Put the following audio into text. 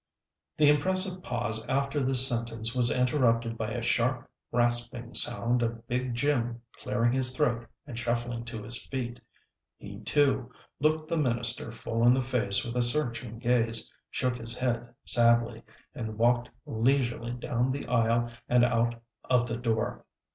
The impressive pause after this sentence was interrupted by a sharp, rasping sound of Big Jim clearing his throat and shuffling to his feet. He, too, looked the minister full in the face with a searching gaze, shook his head sadly, and walked leisurely down the aisle and out of the door.